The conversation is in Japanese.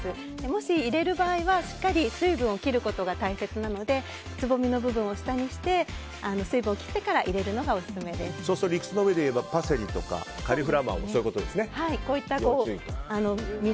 もし、入れる場合はしっかり水分を切ることが大切なのでつぼみの部分を下にして水分を切って理屈のうえで言えばパセリとか、カリフラワーもそういうことですね。